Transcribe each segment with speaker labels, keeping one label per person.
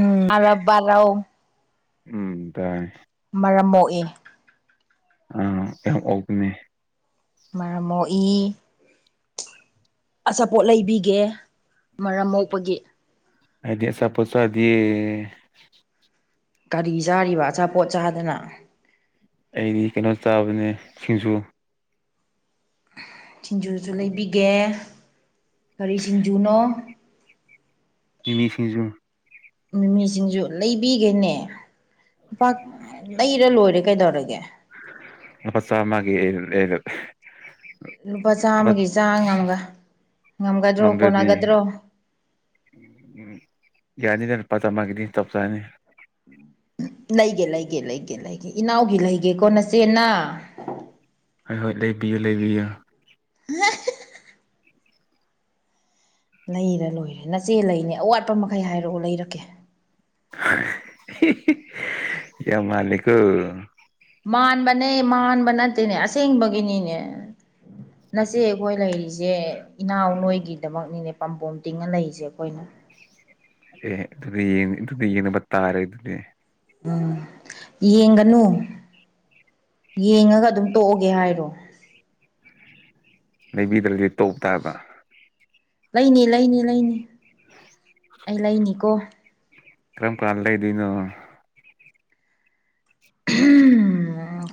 Speaker 1: ꯎꯝ ꯑꯔꯥꯕꯔ‌ꯣ
Speaker 2: ꯎꯝ ꯇꯥꯏ
Speaker 1: ꯃꯔꯝ ꯃ‌ꯣꯛꯑꯦ
Speaker 2: ꯑꯥ ꯌꯥꯝ ꯑꯣꯛꯄꯅ‌ꯦ
Speaker 1: ꯃꯔꯝ ꯃꯣꯛꯏ ꯑꯆꯥꯄꯣꯠ ꯂꯩꯕꯤꯒꯦ ꯃꯔꯝ ꯃꯣꯛꯄꯒꯤ
Speaker 2: ꯑꯩꯗꯤ ꯑꯆꯥꯄ‌ꯣꯠ ꯆꯥꯗ‌ꯦ
Speaker 1: ꯀꯔꯤ ꯆꯥꯔꯤꯕ ꯑꯆꯥꯄꯣꯠ ꯆꯥꯗꯅ
Speaker 2: ꯑꯩꯗꯤ ꯀꯩꯅꯣ ꯆꯥꯕꯅꯦ ꯁꯤꯡꯖꯨ
Speaker 1: ꯁꯤꯡꯖꯨꯁꯨ ꯂꯩꯕꯤꯒꯦ ꯀꯔꯤ ꯁꯤꯡꯖꯨꯅꯣ
Speaker 2: ꯃꯤꯃꯤꯁꯤꯡꯖꯨ
Speaker 1: ꯃꯤꯃꯤꯁꯤꯡꯖꯨ ꯂꯩꯕꯤꯒꯦꯅꯦ ꯄꯥ ꯂꯩꯔ ꯂꯣꯏꯔꯦ ꯀꯩꯗꯧꯔꯒꯦ
Speaker 2: ꯂꯨꯄꯥ ꯆꯥꯝꯃꯒꯤ ꯂꯩꯔ‌ꯣ
Speaker 1: ꯂꯨꯄꯥ ꯆꯥꯝꯃꯒꯤ ꯆꯥ ꯉꯝꯒ ꯉꯝꯒꯗ꯭ꯔꯣ
Speaker 2: ꯉꯝꯗ꯭ꯔꯗꯤ
Speaker 1: ꯀꯣꯟꯅꯒꯗ꯭ꯔꯣ
Speaker 2: ꯎꯝ ꯎꯝ ꯂꯨꯄ ꯆꯥꯝꯃꯥꯒꯤꯗꯤ ꯆꯞ ꯆꯥꯅꯤ
Speaker 1: ꯎꯝ ꯂꯩꯒꯦ ꯂꯩꯒꯦ ꯂꯩꯒꯦ ꯂꯩꯒꯦ ꯏꯅꯥꯎꯒꯤ ꯂꯩꯒꯦ ꯀꯣ ꯅꯆꯦꯅ
Speaker 2: ꯍꯣꯏ ꯍꯣꯏ ꯂꯩꯕꯤꯌꯨ ꯂꯩꯕꯤꯌꯨ
Speaker 1: [unintelligible] ꯂꯩꯔ ꯂꯣꯏꯔꯦ ꯅꯆꯦ ꯂꯩꯅꯦ ꯑꯋꯥꯠꯄ ꯃꯈꯩ ꯍꯥꯏꯔꯛꯑꯣ ꯂꯩꯔꯛꯀꯦ
Speaker 2: ꯌꯥꯝ ꯃꯥꯜꯂꯤꯀꯣ
Speaker 1: ꯃꯥꯟꯕꯅꯦ ꯃꯥꯟꯕ ꯅꯠꯇꯦꯅꯦ ꯑꯁꯦꯡꯕꯒꯤꯅꯤꯅꯦ ꯅꯆꯦ ꯑꯩꯈꯣꯏ ꯂꯩꯔꯤꯁꯦ ꯏꯅꯥꯎ ꯅꯣꯏꯒꯤꯗꯃꯛꯅꯤꯅꯦ ꯄꯥꯝꯕꯣꯝ ꯇꯤꯡꯉ ꯂꯩꯔꯤꯁꯦ ꯑꯩꯈꯣꯏꯅ [unintelligible]
Speaker 2: ꯑꯦ ꯑꯗꯨꯗꯤ ꯌꯦ ꯑꯗꯨꯗꯤ ꯌꯦ ꯅꯨꯕꯇꯥꯥꯔ ꯏ ꯑꯗꯨꯅꯦ
Speaker 1: ꯎꯝ ꯌꯦꯡꯒꯅꯨ ꯌꯦꯡꯉꯒ ꯑꯗꯨꯝ ꯇꯣꯛꯑꯣꯒꯦ ꯍꯥꯏꯔꯣ
Speaker 2: ꯂꯩꯩꯕꯤꯗ꯭ꯔꯗꯤ ꯇꯧꯕ ꯇꯥꯕ
Speaker 1: ꯂꯩꯅꯤ ꯂꯩꯅꯤ ꯂꯩꯅꯤ ꯑꯩ ꯂꯩꯅꯤꯀꯣ
Speaker 2: ꯀ꯭ꯔꯝ ꯀꯜꯂ ꯏ ꯏꯅꯣ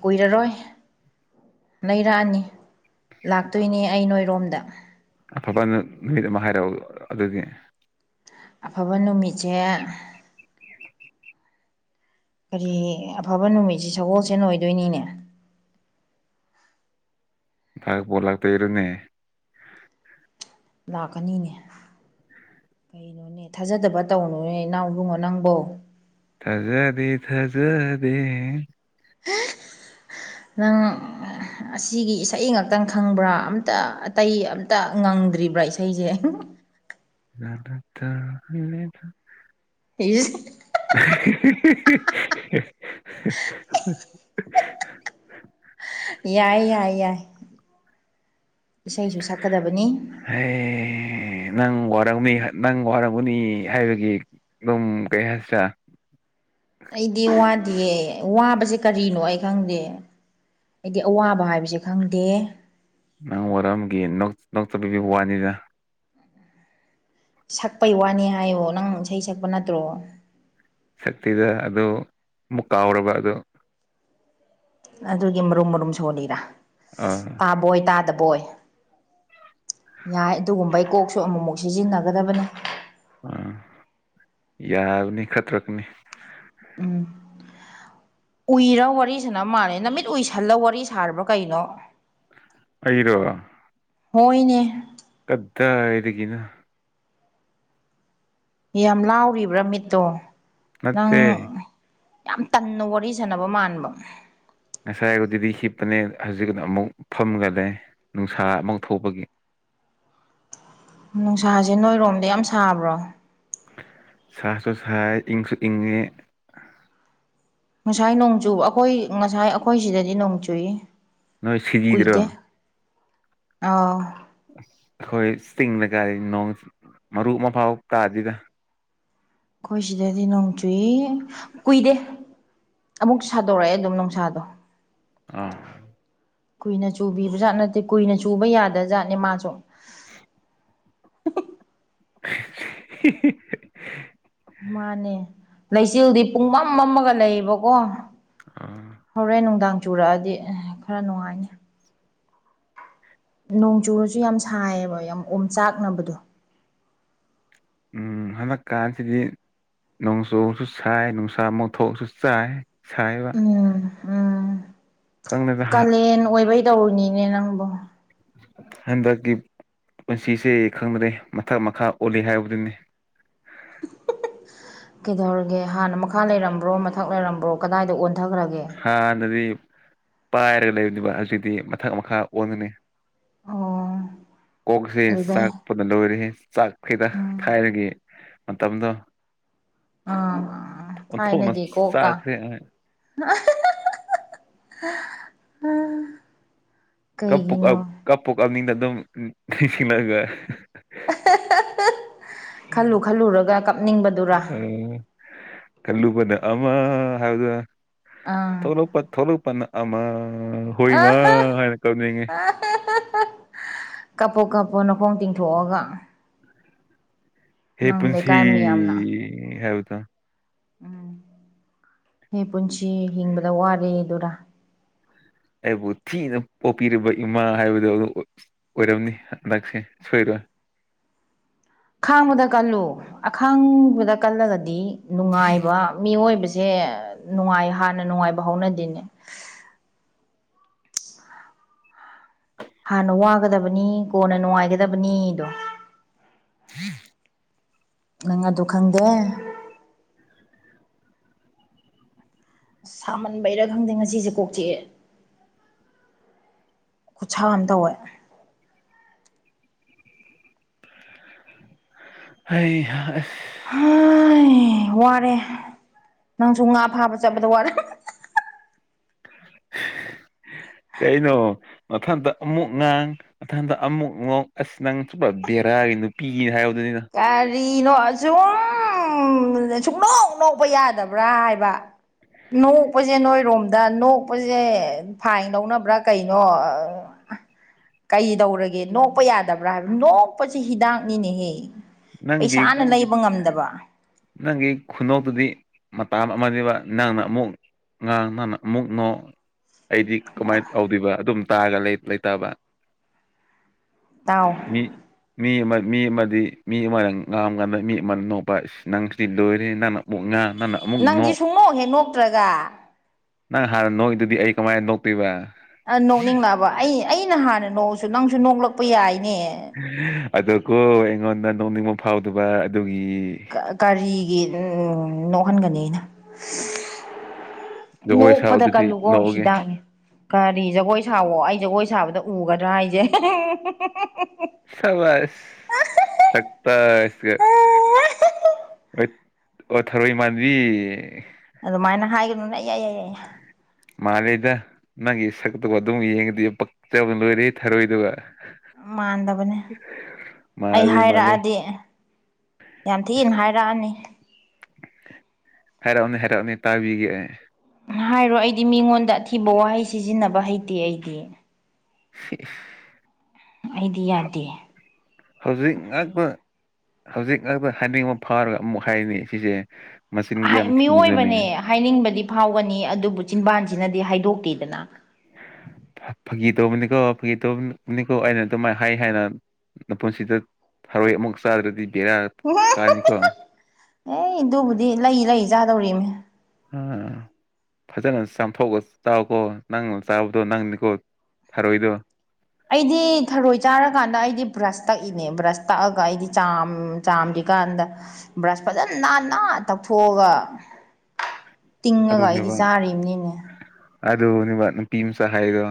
Speaker 1: ꯀꯨꯏꯔꯔꯣꯏ ꯂꯩꯔꯛꯑꯅꯤ ꯂꯥꯛꯇꯣꯏꯅꯦ ꯑꯩ ꯅꯣꯏꯔꯣꯝꯗ
Speaker 2: ꯑꯐꯕ ꯅꯨꯃꯤꯠ ꯑꯃ ꯍꯥꯏꯔꯛꯑꯣ ꯑꯗꯨꯗꯤ
Speaker 1: ꯑꯐꯕ ꯅꯨꯃꯤꯠꯁꯦ ꯀꯔꯤ ꯑꯐꯕ ꯅꯨꯃꯤꯠꯁꯤ ꯁꯒꯣꯜꯁꯦ ꯑꯣꯏꯗꯣꯏꯅꯤꯅꯦ
Speaker 2: ꯊꯒꯄꯂꯥꯛꯇ ꯏꯔꯅꯦ
Speaker 1: ꯂꯥꯛꯀꯅꯤꯅꯦ ꯀꯩꯅꯣꯅꯦ ꯊꯥꯖꯗꯕ ꯇꯧꯅꯨꯅꯦ ꯏꯅꯥꯎꯕꯨꯡꯉꯣ ꯅꯪꯕꯣ
Speaker 2: ꯊꯖꯗꯤ ꯊꯖꯕꯤ
Speaker 1: ꯅꯪ ꯑꯁꯤꯒꯤ ꯏꯁꯩ ꯉꯥꯛꯇꯪ ꯈꯪꯕ꯭ꯔꯥ ꯑꯝꯇ ꯑꯇꯩ ꯑꯝꯇ ꯉꯪꯗ꯭ꯔꯤꯕ꯭ꯔꯥ ꯏꯁꯩꯁꯦ [unintelligible]
Speaker 2: ꯂꯠꯇ
Speaker 1: ꯌꯦ
Speaker 2: [unintelligible]
Speaker 1: ꯌꯥꯏ ꯌꯥꯏ ꯌꯥꯏ ꯏꯁꯩꯁꯨ ꯁꯛꯀꯗꯕꯅꯤ
Speaker 2: ꯍ ꯅꯪ ꯋꯥꯔꯝꯅꯤ ꯅꯪ ꯋꯥꯔꯝꯒꯅꯤ ꯍꯥꯏꯕꯒꯤ ꯑꯗꯨꯝ ꯀꯩ ꯍꯥꯏ
Speaker 1: ꯑꯩꯗꯤ ꯋꯥꯗꯤꯌꯦ ꯋꯥꯕꯁ ꯁꯤ ꯀꯔꯤꯅꯣ ꯑꯩ ꯈꯪꯗꯦ ꯑꯩꯗꯤ ꯑꯋꯥꯕ ꯍꯥꯏꯕꯁꯦ ꯈꯪꯗꯦ
Speaker 2: ꯅꯪ ꯋꯥꯔꯝꯒꯤ ꯅꯣꯛꯆꯄꯤꯕ ꯋꯥꯅꯤꯅ
Speaker 1: ꯁꯛꯄꯩ ꯋꯥꯅꯤ ꯍꯥꯏꯌꯣ ꯅꯪ ꯏꯁꯩ ꯁꯛꯄ ꯅꯠꯇ꯭ꯔꯣ
Speaker 2: ꯁꯛꯇꯤꯗ ꯑꯗꯨ ꯑꯃꯨꯛ ꯀꯥꯎꯔꯕ ꯑꯗꯨ
Speaker 1: ꯑꯗꯨꯒꯤ ꯃꯔꯨꯝ ꯃꯔꯨꯝ ꯁꯣꯜꯂꯤꯔꯥ
Speaker 2: ꯑꯥ
Speaker 1: ꯇꯥꯕꯣꯏ ꯇꯥꯗꯕ ꯑꯕꯣꯏ ꯌꯥꯏ ꯑꯗꯨꯒꯨꯝꯕꯩ ꯀꯣꯛꯁꯨ ꯑꯃꯨꯛꯃꯨꯛ ꯁꯤꯖꯤꯟꯅꯒꯗꯕꯅꯤ
Speaker 2: ꯑꯥ ꯌꯥꯔꯅꯤ ꯈꯠꯇ꯭ꯔꯛꯅꯤ
Speaker 1: ꯎꯝ ꯎꯏꯔ ꯋꯥꯔꯤꯁꯤꯅ ꯃꯥꯥꯟꯂ ꯅꯨꯃꯤꯠ ꯎꯏꯁꯜꯂ ꯋꯥꯔꯤ ꯁꯥꯔꯕ꯭ꯔꯥ ꯀꯩꯅꯣ
Speaker 2: ꯑꯩꯔ
Speaker 1: ꯍꯣꯏꯅꯦ
Speaker 2: ꯀꯗꯥ ꯏꯗꯒꯤꯅ
Speaker 1: ꯌꯥꯝ ꯂꯥꯎꯔꯤꯕ꯭ꯔꯥ ꯃꯤꯠꯇꯣ ꯅꯪ
Speaker 2: ꯅꯠꯇꯦ
Speaker 1: ꯌꯥꯝ ꯇꯟꯅ ꯋꯥꯔꯤ ꯁꯥꯟꯅꯕ ꯃꯥꯟꯕ
Speaker 2: ꯉꯁꯥꯏꯒꯗꯨꯗꯤ ꯍꯤꯞꯄꯅꯦ ꯍꯧꯖꯤꯛꯅ ꯑꯃꯨꯛ ꯐꯝꯒꯂꯦ ꯅꯨꯡꯁꯥ ꯑꯃꯨꯛ ꯊꯣꯛꯄꯒꯤ
Speaker 1: ꯅꯨꯡꯁꯥꯁꯦ ꯅꯣꯏꯔꯣꯝꯗ ꯌꯥꯝ ꯁꯥꯕ꯭ꯔꯣ
Speaker 2: ꯁꯥꯁꯨ ꯁꯥꯏ ꯏꯪꯁꯨ ꯏꯪꯉꯦ
Speaker 1: ꯉꯁꯥꯏ ꯅꯣꯡꯆꯨꯕ ꯑꯩꯈꯣꯏ ꯉꯁꯥꯏ ꯑꯩꯈꯣꯏ ꯁꯤꯗꯗꯤ ꯅꯣꯡ ꯆꯨꯏ
Speaker 2: ꯅꯣꯏ ꯁꯤꯖꯤꯗ꯭ꯔꯣ
Speaker 1: ꯑꯣ
Speaker 2: ꯑꯩꯈꯣꯏ ꯇꯤꯡꯗ ꯀꯥꯏꯔꯤ ꯅꯣꯡ ꯃꯔꯨꯞ ꯑꯃ ꯐꯥꯎ ꯀꯥꯁꯤꯗ
Speaker 1: ꯑꯩꯈꯣꯏ ꯁꯤꯗꯗꯤ ꯅꯣꯡ ꯆꯨꯏ ꯀꯨꯏꯗꯦ ꯑꯃꯨꯛꯁꯨ ꯁꯥꯗꯣꯔꯛꯑꯦ ꯑꯗꯨꯝ ꯅꯨꯡꯁꯥꯗꯣ
Speaker 2: ꯑꯥ
Speaker 1: ꯀꯨꯏꯅ ꯆꯨꯕꯤꯕꯖꯥꯠ ꯅꯠꯇꯦ ꯀꯨꯏꯅ ꯆꯨꯕ ꯌꯥꯗꯕ ꯖꯥꯠꯅꯦ ꯃꯥꯁꯨ [inaudible]
Speaker 2: [inaudible]
Speaker 1: ꯃꯥꯅꯦ ꯂꯩꯆꯤꯜꯗꯤ ꯄꯨꯡꯃꯝ ꯃꯝꯃꯥꯒ ꯂꯩꯌꯦꯕꯀꯣ
Speaker 2: ꯑꯥ
Speaker 1: ꯍꯣꯔꯦꯟ ꯅꯨꯡꯗꯥꯡ ꯆꯨꯔꯛꯑꯗꯤ ꯈꯔ ꯅꯨꯡꯉꯥꯏꯅꯤ ꯅꯣꯡ ꯆꯨꯨꯔꯁꯨ ꯌꯥꯝ ꯁꯥꯏꯌꯦꯕ ꯌꯥꯝ ꯑꯣꯝ ꯆꯥꯛꯅꯕꯗꯣ
Speaker 2: ꯎꯝ ꯍꯟꯗꯛꯀꯥꯟꯁꯤꯗꯤ ꯅꯣꯡꯖꯨꯁꯨ ꯁꯥꯏ ꯅꯨꯡꯁꯥ ꯑꯃꯛ ꯊꯣꯛꯣꯛꯑꯁꯨ ꯆꯥꯏ ꯁꯥꯏꯌ‌ꯦꯕ
Speaker 1: ꯎꯝ ꯎꯝ ꯀꯥꯂꯦꯟ ꯑꯣꯏꯕꯩ ꯇꯧꯔꯤꯅꯤꯅꯦ ꯅꯪꯕꯨꯣ
Speaker 2: ꯍꯟꯗꯛꯀꯤ ꯄꯨꯟꯁꯤꯁꯦ ꯈꯪꯗ꯭ꯔꯦ ꯃꯊꯛ ꯃꯈꯥ ꯑꯣꯜꯂꯤ ꯍꯥꯏꯕꯗꯨꯅꯤ
Speaker 1: ꯀꯩꯗꯧꯔꯒꯦ ꯍꯥꯟꯅ ꯃꯈꯥ ꯂꯩꯔꯝꯕ꯭ꯔꯣ ꯃꯊꯛ ꯂꯩꯔꯝꯕ꯭ꯔꯣ ꯀꯗꯥꯏꯗ ꯑꯣꯟ
Speaker 2: ꯍꯥꯟꯅꯗꯤ ꯄꯥꯏꯔꯒ ꯂꯩꯕꯅꯦꯕ ꯍꯧꯖꯤꯗꯤ ꯃꯊꯛ ꯃꯈꯥ ꯑꯣꯟꯒꯅꯤ
Speaker 1: ꯑꯣ
Speaker 2: ꯀꯣꯛꯁꯤ
Speaker 1: ꯑꯗꯨꯗꯩ
Speaker 2: ꯆꯥꯛꯄꯗ ꯂꯣꯏꯔꯦꯍ‌ꯦ ꯆꯥꯛ ꯈꯔ‌ꯦꯗ ꯍꯥꯏꯔꯒꯤ ꯃꯇꯝꯗ‌ꯣ
Speaker 1: ꯑ ꯊꯥꯏꯅꯒꯤ ꯀꯣꯛ ꯀ [inaudible]
Speaker 2: ꯆꯥꯈ꯭ꯔꯦ ꯀꯞꯄꯨ ꯀꯞ ꯀꯞꯄꯨ ꯀꯞꯅꯤꯡꯗ ꯑꯗꯨꯝ [unintelligible]
Speaker 1: ꯈꯜꯂꯨ ꯈꯜꯂꯨꯔꯒ ꯀꯞꯅꯤꯡꯕꯗꯨꯔꯥ
Speaker 2: ꯎ ꯈꯜꯂꯨꯕꯅ ꯑꯃ ꯍꯥꯏꯕꯗꯨ
Speaker 1: ꯑꯥ
Speaker 2: ꯊꯣꯂꯄ ꯊꯣꯂꯄꯟꯅ ꯑꯃ ꯑ ꯍꯣꯏ ꯏꯃ ꯍꯥꯏꯔ ꯀꯞꯅꯤꯡꯉꯤ
Speaker 1: ꯀꯞꯄꯣ ꯀꯞꯄꯣ ꯅꯈꯣꯡ ꯇꯤꯡꯊꯣꯛꯑꯒ
Speaker 2: ꯍ‌ꯦ
Speaker 1: ꯅꯪ
Speaker 2: ꯄꯨꯟꯁꯤ
Speaker 1: ꯂꯩꯀꯥꯏ ꯃꯌꯥꯝꯅ
Speaker 2: ꯍꯥꯏꯕꯗ‌ꯣ
Speaker 1: ꯎꯝ ꯍꯦ ꯄꯨꯟꯁꯤ ꯍꯤꯡꯕꯗ ꯋꯥꯔꯦꯗꯨꯔꯥ
Speaker 2: ꯑꯩꯕꯨ ꯊꯤꯅ ꯄꯣꯛꯄꯤꯔꯤꯕ ꯏꯃꯥ ꯍꯥꯏꯕꯗꯣ ꯑꯗꯨ ꯑꯣꯏꯔꯝꯅꯤ ꯍꯟꯗꯛꯁꯦ ꯁꯣꯏꯔꯣꯏ ꯎ
Speaker 1: [inaudible] ꯈꯥꯡꯕꯗ ꯀꯜꯂꯨ ꯑꯈꯥꯡꯕꯗ ꯀꯜꯂꯒꯗꯤ ꯅꯨꯡꯉꯥꯏꯕ ꯃꯤꯑꯣꯏꯕꯁꯤ ꯁꯦ ꯅꯨꯡꯉꯥꯏ ꯍꯥꯟꯅ ꯅꯨꯡꯉꯥꯏꯕ ꯍꯧꯎꯅꯗꯦꯅꯦ ꯍꯥꯟꯅ ꯋꯥꯒꯗꯕꯅꯤ ꯀꯣꯟꯅ ꯅꯨꯡꯉꯥꯏꯒꯗꯕꯅꯤꯗꯣ
Speaker 2: [inaudible]
Speaker 1: ꯅꯪ ꯑꯗꯨ ꯈꯪꯗꯦ ꯑ ꯁꯥꯃꯟꯕꯩꯔꯥ ꯈꯪꯗꯦ ꯉꯁꯤꯁꯦ ꯀꯣꯛ ꯆꯤꯛꯑꯦ ꯈꯨꯠꯁꯥ ꯑꯃ ꯇꯧꯋꯦ
Speaker 2: ꯍꯩ ꯑꯍ
Speaker 1: ꯍꯥꯏ ꯋꯥꯔꯦ ꯅꯪꯁꯨ ꯉꯥ ꯐꯥꯕ ꯆꯠꯄꯗ ꯋꯥꯔꯝ [inaudible]
Speaker 2: ꯀꯩꯅꯣ ꯃꯊꯟꯗ ꯑꯃꯨꯛ ꯉꯥꯡ ꯃꯊꯟꯗ ꯑꯃꯨꯛ ꯉꯣꯛ ꯑꯁ ꯅꯪ ꯁꯨꯕ ꯕꯦꯔꯥꯒꯤ ꯅꯨꯄꯤꯒꯤ ꯍꯥꯏ
Speaker 1: ꯀꯔꯤ ꯀꯅꯣ ꯑꯁꯨꯝ ꯁꯨꯡꯅꯣꯛ ꯅꯣꯛꯄ ꯌꯥꯗꯕ꯭ꯔꯥ ꯍꯥꯏꯕ ꯅꯣꯛꯄꯁꯦ ꯅꯣꯏꯔꯣꯝꯗ ꯅꯣꯛꯄꯁꯦ ꯐꯥꯏꯟ ꯂꯧꯅꯕ꯭ꯔꯥ ꯀꯩꯅꯣ ꯀꯩ ꯇꯧꯔꯒꯦ ꯅꯣꯛꯄ ꯌꯥꯗꯕ꯭ꯔꯥ ꯍꯥꯏꯕ ꯅꯣꯛꯄꯁꯤ ꯍꯤꯗꯥꯛꯅꯤꯅꯦꯍꯦ
Speaker 2: ꯅꯪꯒꯤ
Speaker 1: ꯄꯩꯁꯥ ꯅ ꯂꯩꯕ ꯉꯝꯗꯕ
Speaker 2: ꯅꯪꯒꯤ ꯈꯨꯅ‌ꯣꯛꯇꯨꯗꯤ ꯃꯇꯝ ꯑꯃꯅꯦꯕ ꯅꯪꯅ ꯑꯃꯨꯛ ꯉꯥꯡ ꯅꯪꯅ ꯑꯃꯨꯛ ꯅꯣꯛ ꯑꯩꯗꯤ ꯀꯃꯥꯏꯅ ꯀꯧꯗꯣꯏꯕ ꯑꯗꯨꯝ ꯇꯥꯔꯒ ꯂꯩꯇꯕ
Speaker 1: ꯇꯥꯎ
Speaker 2: ꯃꯤ ꯃꯤ ꯑꯃ ꯃꯤ ꯑꯃꯗꯤ ꯃꯤ ꯑꯃꯅ ꯉꯥꯝꯀꯥꯟꯗ ꯃꯤ ꯑꯃ ꯅꯣꯄꯥ ꯅꯪꯔꯤ ꯗꯣꯏꯔꯦ ꯅꯅꯥꯅꯃꯛ ꯉ
Speaker 1: ꯅꯪꯗꯤ ꯁꯨꯡꯅꯣꯛꯍꯦ ꯅꯣꯛꯇ꯭ꯔꯒ
Speaker 2: ꯅꯪ ꯍꯥꯟꯅ ꯅꯣꯛꯏꯗꯨꯗꯤ ꯑꯩ ꯀꯃꯥꯏꯅ ꯅꯣꯛꯇꯣꯏꯕ
Speaker 1: ꯑ ꯅꯣꯛꯅꯤꯡꯂꯛꯑꯕ ꯑꯩ ꯑꯩꯅ ꯍꯥꯟꯅ ꯅꯣꯛꯑꯁꯨ ꯅꯪꯁꯨ ꯅꯣꯛꯂꯛꯄ ꯌꯥꯏꯅꯦ
Speaker 2: ꯑꯗꯨꯀꯣ ꯑꯩꯉꯣꯟꯗ ꯅꯣꯡꯅꯤꯡꯕ ꯐꯥꯎꯗꯕ ꯑꯗꯨ
Speaker 1: ꯒꯥꯔꯤꯒꯤ ꯎꯝ ꯅꯣꯛꯍꯟꯒꯅꯤ ꯑꯅ
Speaker 2: ꯖꯒꯣꯏ
Speaker 1: ꯅꯣꯛꯄꯗ
Speaker 2: ꯁꯥꯎꯗꯨꯗꯤ
Speaker 1: ꯀꯜꯂꯨꯀꯣ
Speaker 2: ꯅꯣꯛꯑꯒꯦ
Speaker 1: ꯍꯤꯗꯥꯛꯅꯦ ꯀꯔꯤ ꯖꯒꯣꯏ ꯁꯥꯥꯎꯋꯣ ꯑꯩ ꯖꯒꯣꯏ ꯁꯥꯕꯗ ꯎꯒꯗ꯭ꯔꯥ ꯍꯥꯏꯁꯦ
Speaker 2: ꯁꯃ ꯁꯛꯇꯒ ꯍꯣꯏ ꯑꯣ ꯊꯔꯣꯏ ꯏꯃꯥꯟꯕꯤ
Speaker 1: ꯑꯗꯨꯃꯥꯏꯅ ꯍꯥꯏꯒꯅꯨꯅꯦ ꯑꯩ ꯌꯥꯏ ꯌꯥꯏ ꯌꯥꯏ
Speaker 2: ꯃꯥꯂꯦꯗ ꯅꯪꯒꯤ ꯁꯛꯇꯒ ꯑꯗꯨꯝ ꯌꯦꯡꯉꯗꯤ ꯄꯛꯆꯕꯅ ꯂꯣꯏꯔꯦ ꯊꯔꯣꯏꯏꯗꯒ
Speaker 1: ꯃꯥꯟꯗꯕꯅꯦ ꯑꯩ
Speaker 2: ꯃꯥꯜꯂꯦ ꯃꯥꯜꯂꯦ
Speaker 1: ꯍꯥꯏꯔꯛꯑꯗꯤ ꯌꯥꯝ ꯊꯤꯅ ꯍꯥꯏꯔꯛꯑꯅꯤ
Speaker 2: ꯍꯥꯏꯔꯛꯅꯦ ꯍꯥꯏꯔꯛꯑꯣꯅꯦ ꯇꯥꯕꯤꯒ
Speaker 1: ꯍꯥꯏꯔꯣ ꯑꯩꯗꯤ ꯃꯤꯉꯣꯟꯗ ꯑꯊꯤꯕ ꯋꯥꯍꯩ ꯁꯤꯖꯤꯟꯅꯕ ꯍꯩꯇꯦ ꯑꯩꯗꯤ
Speaker 2: ꯍ
Speaker 1: ꯑꯩꯗꯤ ꯌꯥꯗꯦ
Speaker 2: ꯍꯧꯖꯤꯛ ꯉꯥꯛꯇ ꯍꯧꯖꯤꯛ ꯉꯥꯛꯇ ꯍꯥꯏꯅꯤꯡꯕ ꯐꯥꯎꯔꯒ ꯑꯃꯨꯛ ꯍꯥꯏꯅꯤ ꯁꯤꯁꯦ ꯃꯆꯤꯟꯒ ꯌꯥꯝ ꯊꯤꯕꯅꯦ
Speaker 1: ꯃꯤꯑꯣꯏꯕꯅꯦ ꯍꯥꯏꯅꯤꯡꯕꯗꯤ ꯐꯥꯎꯒꯅꯤ ꯑꯗꯨꯕꯨ ꯆꯤꯟꯕꯥꯟꯁꯤꯅꯗꯤ ꯍꯥꯏꯗꯣꯛꯇꯦꯗꯅ
Speaker 2: ꯐꯥꯒꯤ ꯇꯧꯕꯅꯤꯀꯣ ꯐꯥꯒꯤ ꯇꯧꯕꯅꯤꯀꯣ ꯑꯩꯅ ꯑꯗꯨꯃꯥꯏꯅ ꯍꯥꯏ ꯍꯥꯏꯅ ꯃꯄꯨꯟꯁꯤꯗ ꯊꯔꯣꯏ ꯑꯃꯨꯛ ꯆꯥꯗ꯭ꯔꯗꯤ ꯕꯦꯔꯥ ꯀꯥꯅꯤꯀꯣ
Speaker 1: ꯑꯦ ꯑꯗꯨꯕꯨꯗꯤ ꯂꯩ ꯂꯩ ꯆꯥꯗꯧꯔꯤꯅꯦ ꯎꯝ
Speaker 2: ꯐꯖꯅ ꯆꯥꯝꯊꯣꯛꯑ ꯆꯥꯎꯀꯣ ꯅꯪꯅ ꯆꯥꯕꯗꯣ ꯅꯪꯅꯤꯀꯣ ꯊꯔꯣꯏꯗꯣ
Speaker 1: ꯑꯩꯗꯤ ꯊꯔꯣꯏ ꯆꯥꯔꯀꯥꯟꯗ ꯑꯩꯗꯤ ꯕ꯭ꯔꯁ ꯇꯛꯏꯅꯦ ꯕ꯭ꯔꯁ ꯇꯛꯑꯒ ꯑꯩꯗꯤ ꯆ ꯆꯥꯝꯗꯤ ꯀꯥꯟꯗ ꯕ꯭ꯔꯁ ꯐꯖꯅ ꯅꯥꯟꯅꯅꯥꯟꯅ ꯇꯛꯊꯣꯛꯑꯒ ꯇꯤꯡꯉꯒ ꯑꯩꯗꯤ ꯆꯥꯔꯤꯕꯅꯤꯅꯦ
Speaker 2: ꯑꯗꯨꯗꯕ ꯅꯨꯄꯤꯝ ꯁꯍꯥꯏꯗꯣ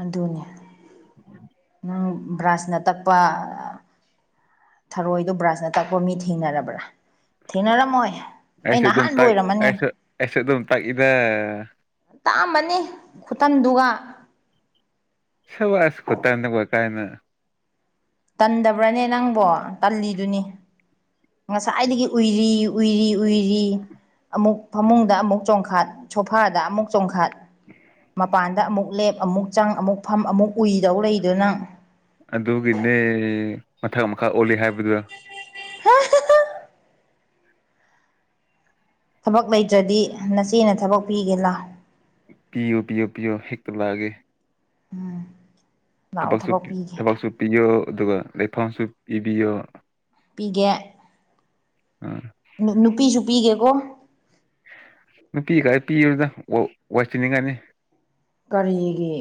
Speaker 1: ꯑꯗꯨꯅꯤ
Speaker 2: ꯎ
Speaker 1: ꯕ꯭ꯔꯥꯁꯅ ꯇꯛꯄ ꯊꯔꯣꯏꯗꯣ ꯕ꯭ꯔꯥꯟꯖꯅ ꯇꯛꯄ ꯃꯤ ꯊꯦꯡꯅꯔꯕ꯭ꯔꯥ ꯊꯦꯡꯅꯔꯝꯃꯣꯏ
Speaker 2: ꯑꯩꯁꯨ
Speaker 1: ꯑꯩꯅ
Speaker 2: ꯑꯗꯨꯝ
Speaker 1: ꯑꯍꯥꯟꯕ
Speaker 2: ꯇꯥꯛ
Speaker 1: ꯑꯣꯏꯔꯝꯃꯅꯤ
Speaker 2: ꯑꯩꯁꯨ ꯑꯩꯁꯨ ꯑꯗꯨꯝ ꯇꯥꯛꯏꯗ
Speaker 1: ꯇꯥꯃꯅꯤ ꯈꯨꯇꯟꯗꯨꯒ
Speaker 2: ꯁꯕ ꯑꯁ ꯈꯠꯇꯅꯦ ꯀ ꯀꯥꯏꯅ
Speaker 1: ꯇꯟꯗꯕ꯭ꯔꯅꯦ ꯅꯪꯕꯣ ꯇꯜꯂꯤꯗꯨꯅꯤ ꯉꯁꯥꯏꯗꯒꯤ ꯎꯏꯔꯤ ꯎꯏꯔꯤ ꯎꯏꯔꯤ ꯑꯃꯨꯛ ꯐꯃꯨꯡꯗ ꯑꯃꯨꯛ ꯆꯣꯡꯈꯥꯠ ꯁꯣꯐꯥꯗ ꯑꯃꯨꯛ ꯆꯣꯡꯈꯥꯠ
Speaker 2: [unintelligible]
Speaker 1: ꯃꯄꯥꯟꯗ ꯑꯃꯨꯛ ꯂꯦꯞ ꯑꯃꯨꯛ ꯆꯪ ꯑꯃꯨꯛ ꯐꯝ ꯑꯃꯨꯛ ꯎꯏꯗꯧ ꯂꯩꯗꯨ ꯅꯪ
Speaker 2: ꯑꯗꯨꯒꯤꯅꯦ ꯃꯊꯛ ꯃꯈꯥ ꯑꯣꯜꯂꯤ ꯍꯥꯏꯕꯗꯨꯗ
Speaker 1: ꯊꯕꯛ ꯂꯩꯇ꯭ꯔꯗꯤ ꯅꯆꯦꯅ ꯊꯕꯛ ꯄꯤꯒꯦ ꯂꯥ
Speaker 2: ꯄꯤꯌꯣ ꯄꯤꯌꯣ ꯄꯤꯌꯣ ꯍꯦꯛꯇ ꯂꯥꯛꯑꯒꯦ
Speaker 1: ꯎꯝ
Speaker 2: ꯊꯕꯛꯁꯨ ꯄꯤꯌꯣ ꯑꯗꯨꯒ ꯂꯩꯐꯝꯁꯨ ꯄꯤꯕꯤꯌꯣ
Speaker 1: ꯄꯤꯒꯦ
Speaker 2: ꯎꯝ
Speaker 1: ꯅꯨꯄꯤꯁꯨ ꯄꯤꯒꯦꯀꯣ
Speaker 2: ꯅꯨꯄꯤꯒꯥꯏ ꯄꯤꯔꯨꯗ ꯋꯥꯏꯁꯤꯤꯟꯅꯤꯡꯉꯅꯤ
Speaker 1: ꯀꯔꯤꯒꯤ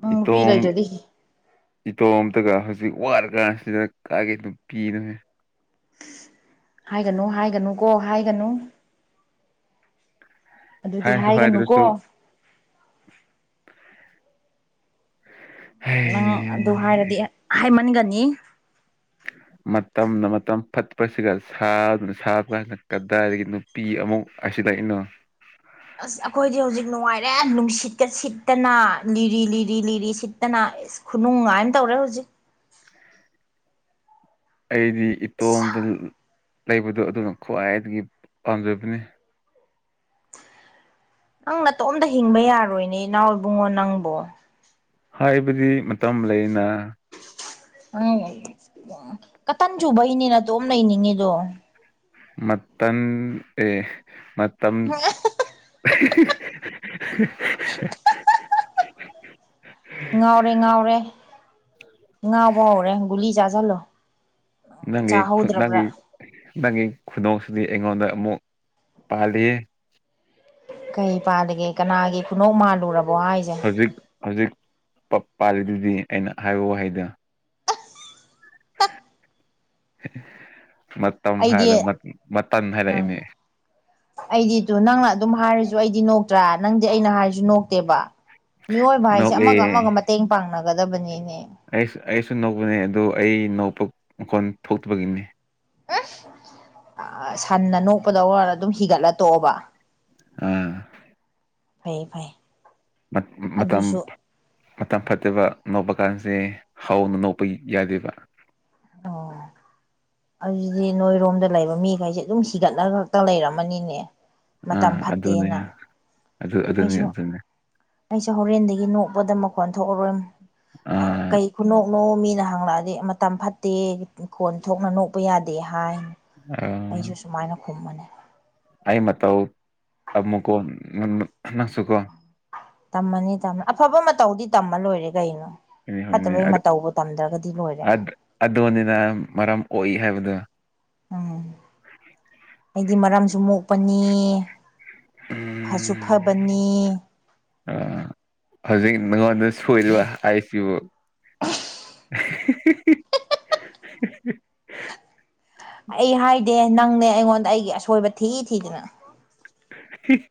Speaker 1: ꯅꯨꯄꯤ ꯂꯩꯇꯗꯤ
Speaker 2: ꯏꯇꯣꯝ ꯑꯝꯇꯒ ꯍꯧꯖꯤꯛ ꯋꯥꯔꯀꯥꯟꯁꯤꯗꯅ ꯀꯥꯒꯦ ꯑꯗꯨꯝ ꯄꯤꯗꯃꯦ
Speaker 1: ꯍꯥꯏꯒꯅꯨ ꯍꯥꯏꯒꯅꯨ ꯀꯣ ꯍꯥꯏꯒꯅꯨ ꯑꯗꯨꯗꯤ
Speaker 2: ꯍꯥꯏꯔꯁꯨ
Speaker 1: ꯍꯥꯏꯒꯅꯨꯀꯣ
Speaker 2: ꯍꯥꯏꯗ꯭ꯔꯁꯨ
Speaker 1: ꯅꯪ ꯑꯗꯨ ꯍꯥꯏꯔꯗꯤ
Speaker 2: ꯍꯩ
Speaker 1: ꯍꯥꯏꯃꯟꯒꯅꯤ
Speaker 2: ꯃꯇꯝꯅ ꯃꯇꯝ ꯐꯠꯄꯁꯤꯒ ꯁꯥꯗꯨꯅ ꯁꯥꯕꯥꯅ ꯀꯗꯥꯏꯗꯒꯤ ꯅꯨꯄꯤ ꯑꯃꯨꯛ ꯑꯁꯤ ꯏꯩꯅꯣ
Speaker 1: ꯑꯁ ꯑꯩꯈꯣꯏꯗꯤ ꯍꯧꯖꯤꯛ ꯅꯨꯡꯉꯥꯏꯔꯦ ꯅꯨꯡꯁꯤꯠꯀ ꯁꯤꯠꯇꯅ ꯂꯤꯔꯤ ꯂꯤꯔꯤ ꯂꯤꯔꯤ ꯁꯤꯠꯇꯅ ꯑꯩꯁ ꯈꯨꯅꯨꯡꯉꯥꯏꯅ ꯇꯧꯔꯦ ꯍꯧꯖꯤꯛ
Speaker 2: ꯑꯩꯗꯤ
Speaker 1: ꯑꯁ
Speaker 2: ꯏꯇꯣꯝꯗ ꯂꯩꯕꯗꯣ ꯑꯗꯨꯅ ꯈ꯭ꯋꯥꯏꯗꯒꯤ ꯄꯥꯝꯖꯕꯅꯤ
Speaker 1: ꯅꯪ ꯅꯇꯣꯝꯇ ꯍꯤꯡꯕ ꯌꯥꯔꯣꯏꯅꯦ ꯏꯅꯥꯎꯏ ꯏꯕꯨꯡꯉꯣ ꯅꯪꯕꯨꯣ
Speaker 2: ꯍꯥꯏꯕꯗꯤ ꯃꯇꯝ ꯂꯩꯅ
Speaker 1: ꯎꯝ ꯀꯇꯟ ꯆꯨꯕꯩꯅꯤꯅ ꯇꯣꯝ ꯂꯩꯅꯤꯡꯉꯤꯗꯣ
Speaker 2: ꯃꯇꯝ ꯑꯦ ꯃꯇꯝ [unintelligible]
Speaker 1: ꯉꯥꯎꯔꯦ ꯉꯥꯎꯔꯦ ꯉꯥꯎꯕ ꯍꯧꯥꯎꯔꯦ ꯒꯨꯂꯤ ꯆꯥꯁꯤꯜꯂꯣ
Speaker 2: ꯅꯪꯒꯤ
Speaker 1: ꯆꯥꯍꯧꯗ꯭ꯔꯕ꯭ꯔꯥ
Speaker 2: ꯅꯪꯒꯤ ꯅꯪꯒꯤ ꯈꯗꯣ ꯑꯗꯨꯗꯤ ꯑꯩꯉꯣꯟꯗ ꯑꯃꯨꯛ ꯄꯥꯜꯂꯤ
Speaker 1: ꯀꯩ ꯄꯥꯗꯒꯦ ꯀꯅꯥꯒꯤ ꯈꯨꯅꯧ ꯃꯥꯜꯂꯨꯔꯕ
Speaker 2: ꯍꯧꯖꯤꯛ ꯍꯧꯖꯤꯛ ꯄꯥꯜꯂꯤꯗꯨꯗꯤ ꯑꯩꯅ ꯍꯥꯏꯕ ꯋꯥꯍꯩꯗ ꯍ
Speaker 1: ꯑꯩꯗꯤ ꯎꯝ
Speaker 2: ꯍꯥꯏꯔꯛꯏꯅꯦ
Speaker 1: ꯑꯩꯗꯤꯗ ꯅꯪꯅ ꯑꯗꯨꯝ ꯍꯥꯏꯔꯤꯁꯤ ꯑꯩꯗꯤ ꯅꯣꯛꯇ꯭ꯔꯥ ꯅꯪꯗꯤ ꯑꯩꯅ ꯍꯥꯏꯔꯁꯨ ꯅꯣꯛꯇꯦꯕ ꯃꯤꯑꯣꯏꯕ ꯍꯥꯏꯁꯦ
Speaker 2: ꯅꯣꯛꯑꯦ
Speaker 1: ꯑꯃꯒ ꯑꯃꯒ ꯃꯇꯦꯡ ꯄꯥꯡꯅꯕ ꯀꯗꯕꯅꯤꯅꯦ
Speaker 2: ꯑꯩ ꯑꯩꯁꯨ ꯅꯧꯕꯅꯦ ꯑꯗꯨ ꯑꯩ ꯅꯧꯕ ꯃꯈꯣꯟ ꯊꯣꯛꯇꯕꯒꯤꯅꯤ
Speaker 1: ꯁꯟꯅ ꯅꯣꯛꯄꯗ ꯑꯣꯏꯔ ꯑꯗꯨꯝ ꯍꯤꯒꯠꯂ ꯇꯣꯛꯑꯣꯕ
Speaker 2: ꯑꯥ
Speaker 1: ꯐꯩ ꯐꯥꯏ
Speaker 2: ꯃꯇꯝ ꯃꯇꯝ ꯐꯠꯇꯕ ꯅꯣꯛꯄ ꯀꯥꯟꯁꯦ ꯍꯧꯅ ꯅꯣꯛꯄ ꯌꯥꯗꯦꯕ
Speaker 1: ꯑꯣ ꯑꯗꯨꯗꯤ ꯅꯣꯏꯔꯣꯝꯗ ꯂꯩꯕ ꯃꯤꯈꯩꯁꯦ ꯑꯗꯨꯝ ꯁꯤꯒꯠꯂꯒ ꯈꯛꯇ ꯂꯩꯔꯝꯃꯅꯤꯅꯦ ꯃꯇꯝ
Speaker 2: ꯑꯥ ꯑꯗꯨꯅꯦ
Speaker 1: ꯐꯠꯇꯦꯅ
Speaker 2: ꯑꯗꯨ ꯑꯗꯨꯅꯤ
Speaker 1: ꯑꯩꯁꯨ
Speaker 2: ꯑꯗꯨꯅꯤ
Speaker 1: ꯑꯩꯁꯨ ꯍꯣꯔꯦꯟꯗꯒꯤ ꯅꯣꯛꯄꯗ ꯃꯈꯣꯟ ꯊꯣꯛꯑꯔꯣꯏ ꯑ
Speaker 2: ꯑꯥ
Speaker 1: ꯀꯩ ꯈꯨꯅꯣ ꯅꯣ ꯃꯤꯅ ꯍꯪꯂꯛꯑꯗꯤ ꯃꯇꯝ ꯐꯠꯇꯦ ꯈꯣꯟ ꯊꯣꯛꯅ ꯅꯣꯛꯄ ꯌꯥꯗꯦ ꯍꯥꯏ
Speaker 2: ꯑꯥ
Speaker 1: ꯑꯩꯁꯨ ꯁꯨꯃꯥꯏꯅ ꯈꯨꯝꯃꯅꯤ
Speaker 2: ꯃꯨꯀꯣ ꯅꯪꯁꯨꯀꯣ
Speaker 1: ꯇꯝꯃꯅꯤ ꯇꯝꯃꯅꯤ ꯑꯐꯕ ꯃꯇꯧꯗꯤ ꯇꯝꯃ ꯂꯣꯏꯔꯦ ꯀꯩꯅꯣ
Speaker 2: ꯍꯣꯏ ꯍꯣꯏꯅꯦ
Speaker 1: ꯐꯠꯇꯕꯩ ꯃꯇꯧꯕꯨ ꯇꯝꯗ꯭ꯔꯒꯗꯤ ꯂꯣꯏꯔꯦ
Speaker 2: ꯑꯗꯨꯣꯅꯤꯅ ꯃꯔꯝ ꯑꯣꯏꯏ ꯍꯥꯏꯕꯗꯣ
Speaker 1: ꯎꯝ ꯑꯩꯗꯤ ꯃꯔꯝꯁꯨ ꯃꯣꯛꯄꯅꯤ ꯐꯁꯨ
Speaker 2: ꯎꯝ
Speaker 1: ꯐꯕꯅꯤ
Speaker 2: ꯅꯪꯣꯟꯗ ꯁꯣꯏꯕ ꯑꯁꯤꯕꯨ [unintelligible]
Speaker 1: ꯑꯩ ꯍꯥꯏꯗꯦ ꯅꯪꯅꯦ ꯑꯩꯉꯣꯟꯗ ꯑꯩꯒꯤ ꯑꯁꯣꯏꯕ ꯊꯤ ꯊꯤꯗꯅ
Speaker 2: [unintelligible]